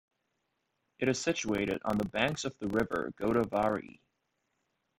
It is situated on the banks of the river Godavari.